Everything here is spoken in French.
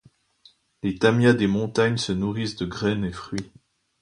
Les tamias des montagnes se nourrissent de graines et fruits.